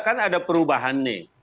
kan ada perubahan nih